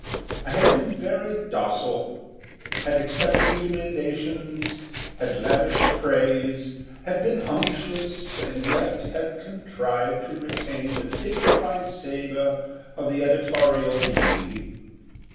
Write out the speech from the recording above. I had been very docile; had accepted emendations; had lavished praise, had been unctuous and yet had contrived to retain the dignified savour of the editorial "we."